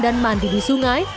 dan mandi di sungai